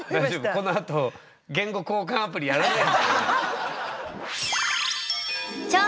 このあと言語交換アプリやらない？